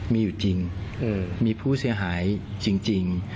มีอยู่จริงมีผู้เสียหายจริง